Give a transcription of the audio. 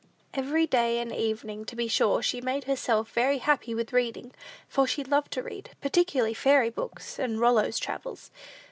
Ainu days and evenings, to be sure, she made herself very happy with reading, for she loved to read, particularly fairy books, and Rollo's Travels.